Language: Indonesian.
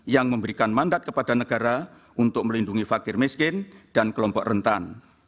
yang memberikan mandat kepada negara untuk melindungi fakir miskin dan kelompok rentan